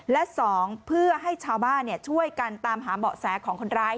และ๒เพื่อให้ชาวบ้านช่วยกันตามหาเบาะแสของคนร้าย